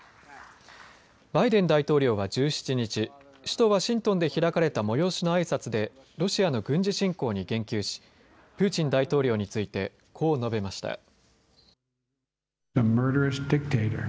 バイデン大統領は１７日、首都ワシントンで開かれた催しのあいさつでロシアの軍事侵攻に言及し、プーチン大統領についてこう述べました。